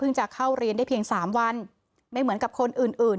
จะเข้าเรียนได้เพียงสามวันไม่เหมือนกับคนอื่นอื่น